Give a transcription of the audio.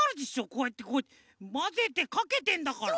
こうやってまぜてかけてんだから。